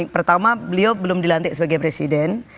pertama beliau belum dilantik sebagai presiden